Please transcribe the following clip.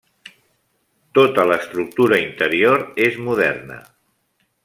Tota l'estructura interior és moderna.